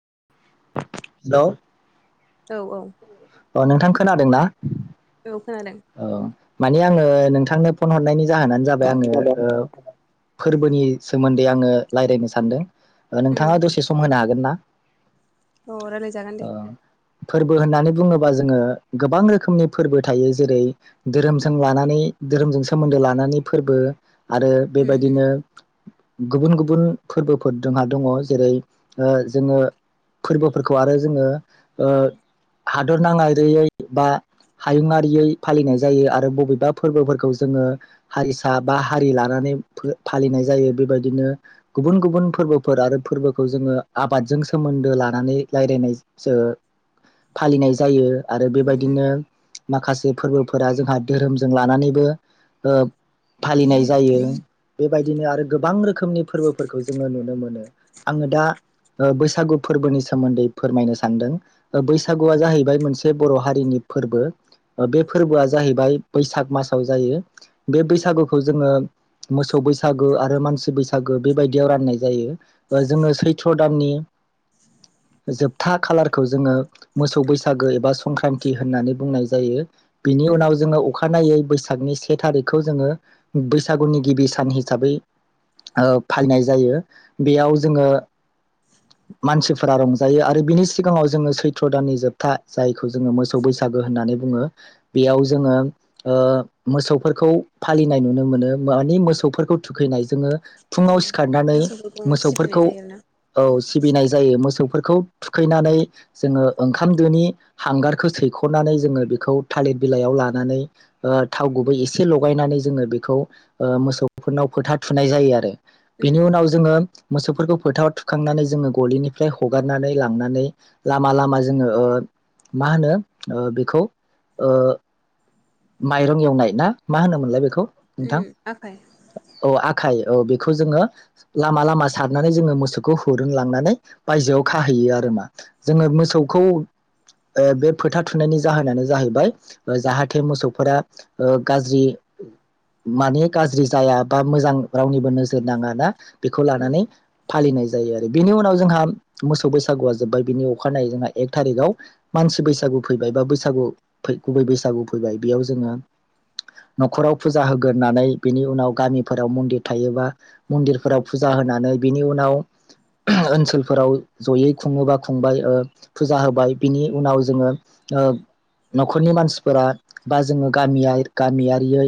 [unintelligible] औ औ अ नोंथां खोनादों ना? औ खोनादों औ माने आङो नोंथांनो फन हरनायनि जाहोनानो जाबाय आङो ओ फोरबोनि सोमोनदै आङो लायरायनो सानदों। ओ नोंथाङा दसे सम होनो हा गोनना अ रायलाय जागोन दे फोरबो होननानै बुङो बा जोङो गोबां रोखोमनि फोरबो थायो जेरै धोरोमजों लानानै धोरोमजों सोमोनदो लानानै फोरबो आरो उम उम बेबायदिनो गुबुन गुबुन फोरबोफोर जोंहा दङ' जेरै ओ जोङो फोरबोफोरखौ आरो जोङो ओ [unintelligible] [unintelligible] बा हायुंङारियै फालिनाय जायो आरो बबेबा फोरबोफोरखौ जोङो हारिसा बा हारि लानानै फो फालिनाय जायो बेबायदिनो गुबुन गुबुन फोरबोफोर आरो फोरबोखौ जोङो आबादजों सोमोनदो लानानै रायलायनाय ओ फालिनाय जायो आरो उम बेबायदिनो माखासे फोरबोफोरा जोंहा धोरोमजों लानानैबो ओ फालिनाय जायो बेबायदिनो आरो गोबां रोखोम खोमनि फोरबोफोरखौ जोङो नुनो मोनो। आङो दा ओ बैसागु फोरबोनि सोमोन्दै फोरमायनो सानदों बैसागुआ जाहैबाय मोनसे बर' हारिनि फोरबो ओ बे फोरबोआ जाहैबाय बैसाग मासाव जायो बे बैसागुखौ जोङो मोसौ बैसागु आरो मानसि बैसागु बेबायदियाव राननाय जायो जोङो सैथ्र' दाननि जोबथा खालारखौ जोङो मोसौ बै बैसागो एबा संक्रान्ति होननानै बुंनाय जायो। बिनि उम उनाव जोङो अखानायै बैसागनि से थारिखखौ जोङो बैसागुनि गिबि सान हिसाबै ओ फालिनाय जायो बेयाव जोङो मानसिफोरा रंजायो आरो बिनि सिगाङाव जोङो सैथ्र' दाननि जोब था जायखौ जोङो मोसौ बैसागो होननानै बुङो बेयाव जोङो ओ मोसौफोरखौ फालिनाय नुनो मोनो मानि मोसौफोरखौ थुखैनाय जोङो फुङाव उम सिखारनानै मोसौफोरखौ सिबिनाय मोसौफोरखौ जायो आरोना औ सिबिनाय जायो मोसौ फोरखौ थुखैनानै जोङो ओं ओंखाम दोनि हांगारखौ सैख'नानै जोङो बेखौ थालिर बिलाइयाव लानानै ओ थाव गुबै एसे लगायनानै जोङो बेखौ ओ मोसौफोरनाव फोथा थुनाय जायो आरो उम बेनि उम उनाव जोङो मोसौफोरखौ फोथाराव थुखांनानै जोङो गलिनिफ्राय हगारनानै लांनानै लामा लामा जोङो ओ मा होनो बेखौ ओ माइरं एवनाय ना मा होनोमोनलाय बेखौ ओम आखाइ खाइ औ बेखौ जोङो लामा लामा सारनानै जोङो मोसौखौ हुरोंलांनानै बायजोआव खाहैयो आरो मा जोङो मोसौखौ बे फोथा थुनायनि जाहोनानो जाहैबाय जाहा हाथे मोसौफोरा गाज्रि माने गाज्रि जाया बा मोजां रावनिबो नोजोर नाङा ना बेखौ उम लानानै फालिनाय जायो आरो बेनि उनाव जोंहा मोसौ बैसागुआ जोब्बाय बिनि अखानायै जोंहा एक थारिखआव मानसि बैसागु फैबाय बा बैसागु गुबै बैसागु फैबाय बेयाव जोङो न'खराव फुजा होग्रानै बिनि उनाव गामिफोराव मन्दिर थायोबा मन्दिरफोराव फुजा होनानै बिनि उनाव ओनसोलफोराव जयै खुङोबा खुंबाय फुजा होबाय बिनि उनाव जोङो ओ न'खरनि मानसिफोरा बा जोङो गामियारि गामियारियै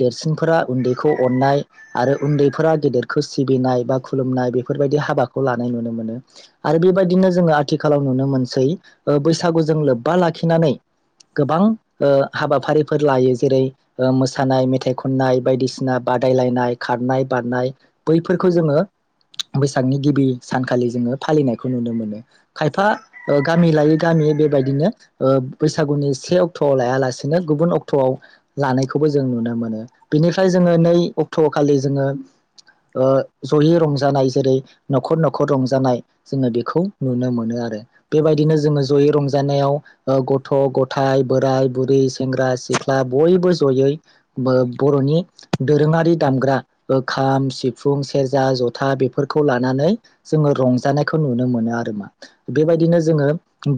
देरसिनफोरा उन्दैखौ अननाय आरो उन्दैफोरा गेदेरखौ सिबिनाय बा खुलुमनाय बेफोरबायदि हाबाखौ लानाय नुनो मोनो आरो बेबायदिनो जोङो आथिखालाव नुनो मोनसै बैसागुजों लोब्बा लाखिनानै गोबां हाबाफारिफोर लायो जेरै मोसानाय मेथाइ खननाय बायदिसिना बादायलायनाय खारनाय बारनाय बैफोरखौ उम जोङो बैसागनि गिबि सानखालि जोङो फालिनायखौ नुनो मोनो खायफा उम ओ गामि लायै गामिै बेबायदिनो ओ बैसागुनि से अ' अक्ट' लायालासेनो गुबुन अक्ट'आव लानायखौबो जों नुनो मोनो बिनिफ्राय उम जोङो नै अ अक्ट'खालि जोङो जयै रंजानाय जेरै न'खर न'खर रंजानाय जोङो बेखौ नुनो मोनो आरो बेबायदिनो जोङो जयै रंजानायाव गथ' गथाय बोराय बुरै सेंग्रा सिख्ला बयबो जयै बर'नि दोरोङारि दामग्रा खाम सिफुं सेरजा जथा बेफोरखौ लानानै जोङो रंजानायखौ नुनो मोनो आरो मा उम बेबायदिनो जोङो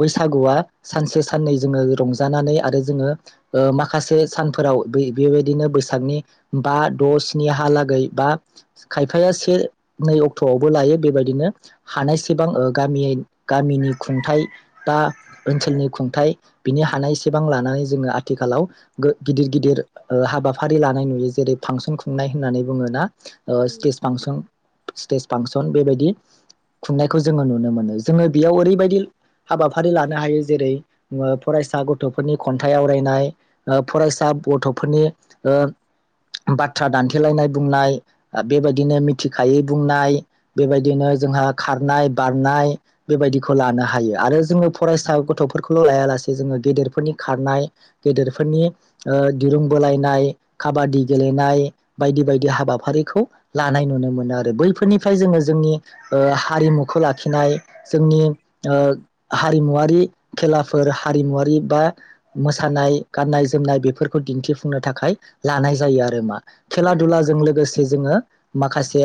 बैसागुवा सानसे साननै जोङो रंजायो जानानै आरो जोङो माखासे सानफोराव बेबायदिनो बैसागनि बा द' स्नि हालागै बा खायफाया से नै अक्ट'आवबो लायो बेबायदिनो हानायसेबां गामि गामिनि खुंथाइ बा ओनसोलनि खुंथाय बिनि हानाय एसेबां लानानै जोङो आथिखालाव गिदिर गिदिर हाबाफारि लानाय नुयो जेरै फांसन खुंनाय होननानै बुङो ना ओ उम सिटेज फांसन स्टेज फांसन बेबायदि खुंनायखौ जोङो नुनो मोनो जोङो बेयाव ओरैबायदि हाबाफारि लानो हायो जेरै फरायसा गथ' गथ'फोरनि खन्थाइ आवरायनाय फरायसा गथ'फोरनि ओ बाथ्रा दानथेलायनाय बुंनाय बेबायदिनो मिथिखायै बुंनाय बेबायदिनो जोंहा खारनाय बारनाय बेबायदिखौ लानो हायो आरो जोङो फरायसा गथ'फोरखौल' लायालासे जोङो गेदेर फोरनि खारनाय गेदेरफोरनि ओ दिरुं बोलायनाय खाबादि गेलेनाय बायदि बायदि हाबाफारिखौ लानाय नुनो मोनो आरो बैफोरनिफ्राय जोङो जोंनि ओ हारिमुखौ लाखिनाय जोंनि हारिमुवारि खेलाफोर हारिमुवारि बा मोसानाय गाननाय जोमनाय बेफोरखौ दिन्थिफुंनो थाखाय लानाय जायो आरो मा खेला उम दुलाजों लोगोसे जोङो माखासे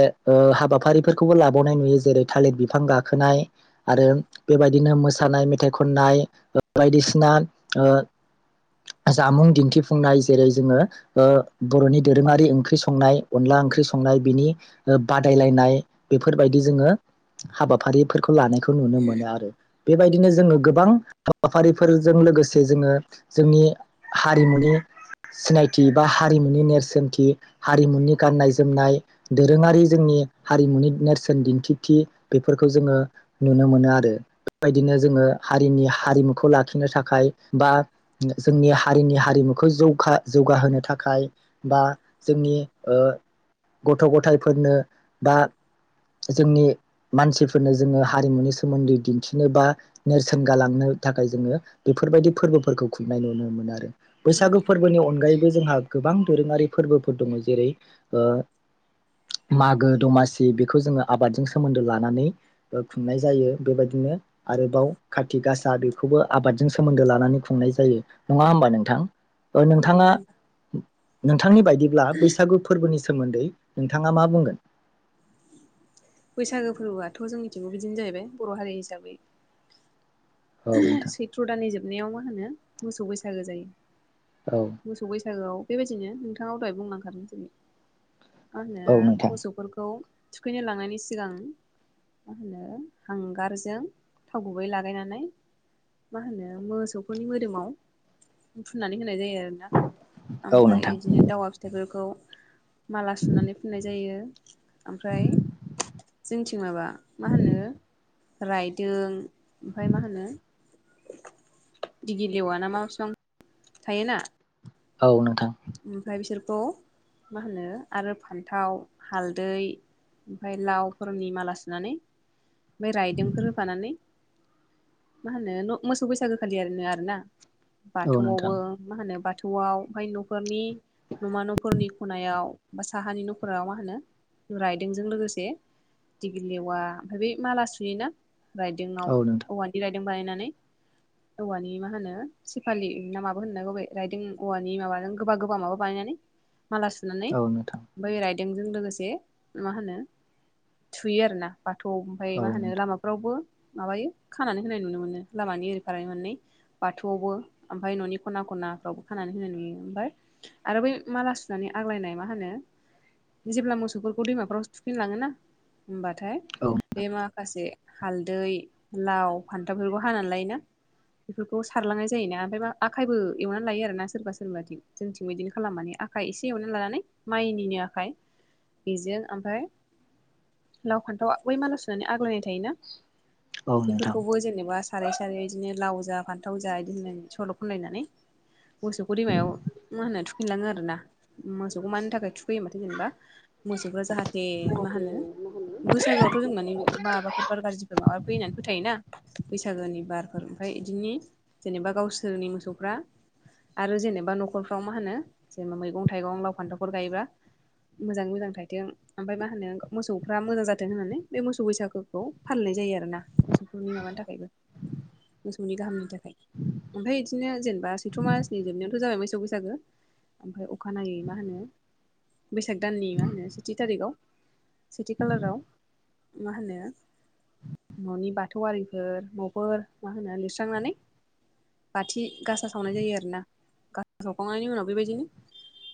हाबाफारिफोरखौबो लाबावनाय नुयो जेरै थालिर बिफां गाखोनाय आरो बेबायदिनो मोसानाय मेथाइ खननाय बायदिसिना ओ जामुं दिनथिफुंनाय जेरै जोङो बर'नि दोरोङारि ओंख्रि संनाय अनला ओंख्रि संनाय बिनि बादायलायनाय बेफोरबायदि जोङो हाबाफारिफोरखौ खौ लानायखौ नुनो मोनो आरो बेबायदिनो जोङो गोबां हाबाफारिफोरजों लोगोसे से जोङो जोंनि हारिमुनि सिनायथि बा हारिमुनि नेरसोनथि हारिमुनि गाननाय-जोमनाय दोरोङारि जोंनि हारिमुनि नेरसोन दिनथि बेफोरखौ जोङो नुनो मोनो आरो बेबायदिनो जोङो हारिनि हारिमुखौ लाखिनो थाखाय बा जोंनि हारिनि हारिमुखौ जौ जौगाहोनो थाखाय बा जोंनि ओ गथ' ग'थायफोरनो बा जोंनि मानसिफोरनो जोङो हारिमुनि सोमोनदै दिनथिनो बा नेरसोन गालांनो थाखाय जोङो बेफोरबायदि फोरबोफोरखौ खुंनाय नुनो मोनो आरो उम बैसागु फोरबोनि अनगायैबो जोंहा गोबां दोरोङारि फोरबोफोर दङ जेरै ओ मागो दमासि बे जो आबादजों सोनदो लानानै खुंनाय जायो बेबायदिनो आरोबाव खाथि गासा बे आबादजों सोमोनदो लानानै लानानै खुंनाय जायो नङा होमबा नोंथां औ नोंथाङा नंगौ नोंथां नं- बिथांनि बायदिब्ला बैसागु फोरबोनि सोमोनदै नोंथाङा मा बुंगोन बैसागो फोरबोआथ' जोंनिथिंबो बिदिनो जाहैबाय बर' हारि हिसाबै औ नोंथां सैत्र दाननि जोब नायाव मा होनो मोसौ बैसागो जायो औ मोसौ बैसागोआव बेबायदिनो नोंथाङाव दहाय बुंलांखादों जेरै मा होनो औ नोंथां मोसौफोरखौ थुखैनो लांनायनि सिगां मा होनो हांगारजों थाव गुबै लागायनानै मा होनो मोसौफोरनि मोदोमाव फुननानै होनाय जायो आरो आरोना औ ओमफ्राय नोंथां बिदिनो दावा फिथाइफोरखौ माला सुनानै फुननाय जायो ओमफ्राय जोंथिं माबा मा होनो रायदों ओमफाय मा होनो दिगि लेवा ना मा फिफां थायोना औ नोंथां ओमफ्राय बिसोरखौ मा होनो आरो फानथाव हालदै ओमफ्राय लावफोरनि माला सुनानै ओमफ्राय रायदोंफोर होफानानै मा होनो मोसौ बैसागो खालियनो आरोना औ नोंथां बाथौआवबो मा होनो बाथौ बाथौआव ओमफ्राय न' फोरनि न'मा न'फोरनि खनायाव बा साहानि नखराव मा होनो रायदोंजों लोगोसे दिगिलेवा ओमफ्राय बे माला सुयोना रायदोंयाव औ नोंथां औवानि रायदोङाव [unintelligible] गोबा गोबा माबा बानायनानै माला सुनानै औ नोंथां बै राय बेेंजों लोगोसे मा होनो थुयो आरो ना बाथौ ओमफफ्राय औ मा होनो नोंथां लामाफ्रावबो माबायो खानानै होनाय नुनो मोनो लामानि ओरैफार मोननै बाथौआवबो ओमफ्राय न'नि खना खनाफ्रावबो खानानै होनाय नुयो ओमफफ्राय आरो बै माला सुनानै आग्लायनाय मा होनो जेब्ला मोसौफोरखौ दैमाफ्राव सुफिनलाङोना होमबाथाय औ बे माखासे हालदै लाव फान्थावफोरखौ हानानै लायोना बेफोरखौ सारलांनाय जायोना ओमफ्राय मा आखायबो एवनानै लायो आरोना सोरबा सोरबाथिं जोंथिं बिदिनो खालाम मानिे आखाइ एसे एवनानै लानानै माइनिनो आखाइ बेजों ओमफ्राय लाव फान्थाव बै मानास होनानै आग्लायनाय थ औ नोंथां बेफोरखौबो जेनेबा साराय सारै बिदिनो लाव जा फान्थाव जा बिदि होनलायनाय सल' खलायनानै मोसौखौ दैमायाव मु मा होना थुखिनलाङो आरो ना मोसौखौ मानि थाखाय थुख फैयो माथो जेनेबा मोसौफ्रा जाहाथे मा होनो बैसागोआवथ' जों माने माबाफोर बार गाज्रिफोर माबा फै होननानै फोथायोना बैसागोनि बारफोर ओमफ्राय बिदिनि जेनेबा गावसोरनि मोसौफ्रा आरो जेनेबा नख न'खलफ्राव मा होनो जेनेबा मैगं थाइगं लाव फान्थावफोर गायोब्ला मोजाङै मोजां थथों ओमफफ्राय मा होनो मोसौफ्रा मोजां जाथों होननानै बे मोसौ बैसागोखौ फालिनाय जायो आरोोना मोसौफोरनि माबानि थाखायबो मोसौनि गाहामनि थाखाय ओमफफ्राय बिदिनो जेनेबा सैथ्र' मासनि जोबनायावथ' जाबाय मोसौै जो ओमफ्राय अखानायै मा होनो बैसाग दाननि मा होनो सेथि थारिखाव सेथि खालाराव मा होनो न'नि बाथौआरिफोर न'फोर मा होनो लिरस्रांनानै बाथि गासा सावनाय जायो आरोना सावखांनायनि उनाव बेबायदिनो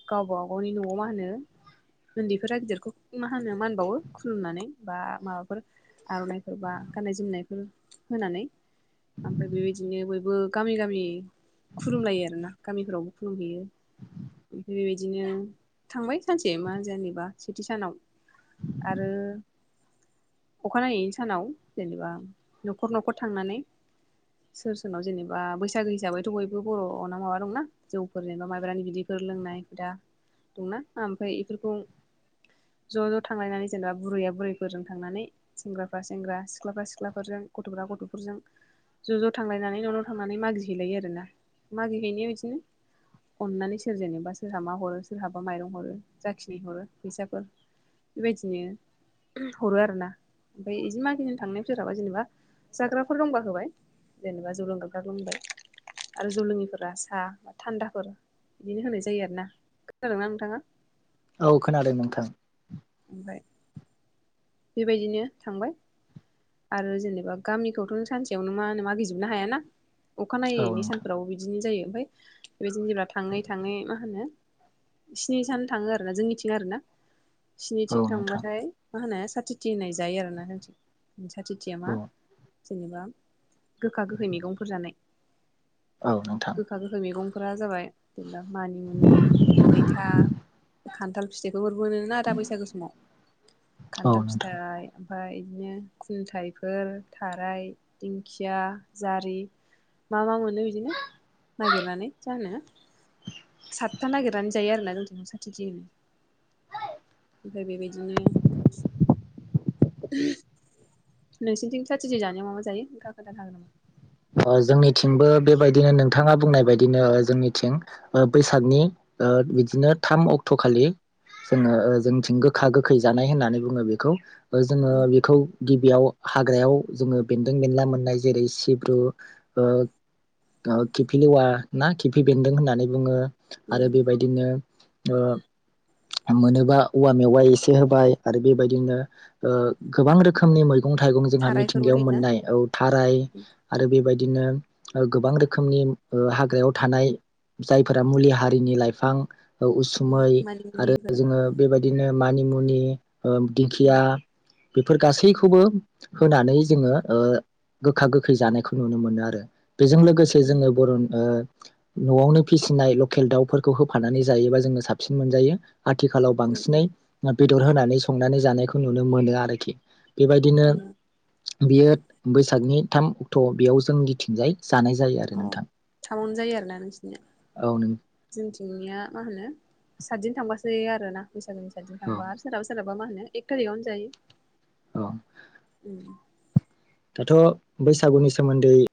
गावब गावनि न'आव मा होनो उन्दैफोरा गिदिरखौ मा होनो मानबावो खुलुमनानै बा माबाफोर आर'नाइफोर बा गाननाय जोमनायफोर होनानै ओमफ्राय बेबायदिनो बयबो गामि गामि खुलुमलायो आरोना गामिफोरावबो खुलुमहैयो ओमफ्राय बेबायदिनो थांबाय सानसे मा जेनेबा सेथि सानाव आरो अखानायै सानाव जेनेबा न'खर न'खर थांनानै सोर सोरनाव जेनेबा बैसागो हिसाबैथ' बयबो बर' नना माबा दंना जौफोर जेनेबा माइब्रानि बिदिफोर लोंनाय हुदा दंना ओमफ्राय बेफोरखौ ज' ज' थांलायनानै जेनेबा बुरैया बुरैफोरजों थांनानै सेंग्राफ्रा सेंग्रा सिख्लाफ्रा सिख्लाफोरजों गथ'फ्रा गथ'फोरजों ज' ज' थांलायनानै न' नाव थांनानै मागिहैलायो आरोना मागिहैनाया बिदिनो अननानै सोर जेनेबा सोरहाबा हरो सोरहाबा माइरं हरो जाखिनि हरो फैसाफोर बेबायदिनो हरो आरोना ओमफ्राय बिदि मागिनो थांनाय सोरहाबा जेनेबा जाग्राफोर दंबा होबाय जेनेबा जौ लोंग्राफ्रा लोंबाय आरो जौलोङिफोरा साहा थान्दाफोर बिदिनो होनाय जायो आरोोना खोनादोंना नोंथाङा औ खोनादों नोंथां ओमफ्राय बेबायदिनो थांबाय आरो जेनेबा गामिखौथ' सानसेयावनो मा होनो मागिजोबनो हायाना औ अखानायैनि नोंथां सानफ्रावबो बिदिनो जायो मफ्राय बेबायदिनो जेब्ला थाङै थाङै मा होनो स्नि सान थाङो आरोोना जोंनिथिं आरोना औ स्निथिं नोंथां थांबाथाय मा होना स खाथि होननाय जायो आरोोना होनथि औ सथिथियामा जेनेबा गोखा गोखै मैगंफोर जानाय औ नोंथां गोखा गोखै मैगं नखरा जाबाय जेनेबा मानिमुनि मैथा खान्थाल फिथाइ गोबोरबोना आदा बैसागु समाव औ खान्थाल नोंथां फिथाइ ओमफाय बिदिनो खुन्थायाइफोर थाराय दिंखिया जारि मा मा मोनो बिदिनो नागिरनानै जानो सातथा नागिरनानै जायो आरोना जोंथ साथिथि होनो ओमफ्राय बेबायदिनो [unintelligible] नोंसिनिथिं साथिजि जानायावा मा मा जायो नोथाङा खोन्थानो हागोन नामा जोंनिथिंबो बेबायदिनो नोंथाङा बुंनाय बायदिनो जोंनिथिं बैसागनि ओ बिदिनो थाम अक्ट'खालि जोङो जोंनिथिं गोखा गोखै जानाय होननानै बुङो बेखौ जोङो उम बेखौ गिबियाव हाग्रायाव जोङो बेन्दों बेनला मोननाय जेरै सिब्रु ओ खिफि लेवा ना खिफि बेनदों होननानै बुङो आरो उम बेबायदिनो ओ मोनोबा औवा मेवाइ एसे होबाय आरो बे बायदिनो ओ गोबां रोखोमनि मै गं थाइगं जोंहा थारायफोरबो मिथिंगायाव होयोना मोननाय औ थाराय उम बेबायदिनो ओ गोबां रोखोमनि हाग्रायाव थानाय जायफोरा मुलि हारिनि लाइफां उम उसुमै आरो मानिमुनिफोर जोङो बेबायदिनो मानि मुनि ओ दिंखिया उम बेफोर गासैखौबो होनानै जोङो आ गोखा गोखै जानाय खौ नुनो मोनो आरो बेजों लोगोसे उम जोङो बर' ओ न'आवनो फिसिनाय लकेल दाउफोरखौ होफानानै जायोबा जोंनो साबसिन मोनजायो आथिखालाव उम बांसिनै उम बे दर होनानै संनानै जानायखौ नुनो मोनो आरोखि बेबायदिनो उम बियो बैसागनि थाम थ' बेयाव जोंनि थिंजाय जानाय जायो आरो औ नोंथां थामावनो जायो औ नों थिंनिया मा होनो सातदिन थांबासो आरो ना बैसागुनि सातदिन औ थांबा आरो सोरबा सोराबा होनो एक थारिकआवनो जायो औ उम दाथ' बैसागुनि सोमोन्दै